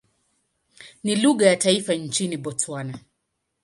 Ni lugha ya taifa nchini Botswana.